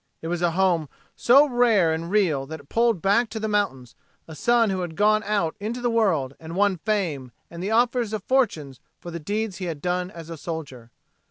It was a home so rare and real that it pulled back to the mountains a son who had gone out into the world and won fame and the offers of fortunes for the deeds he had done as a soldier.